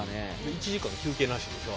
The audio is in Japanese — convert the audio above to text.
１時間休憩なしでしょ？